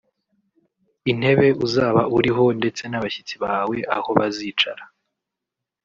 intebe uzaba uriho ndetse n’abashyitsi bawe aho bazicara